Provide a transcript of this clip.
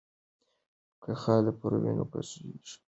که خال پر وینو کښېږدي، نو ګلاب وشرموي.